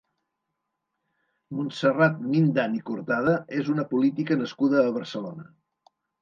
Montserrat Mindan i Cortada és una política nascuda a Barcelona.